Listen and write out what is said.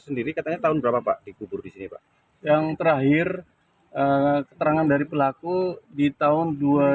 sendiri katanya tahun berapa pak dikubur di sini pak yang terakhir keterangan dari pelaku di tahun